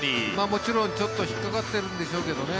もちろんちょっと引っかかってるんでしょうけどね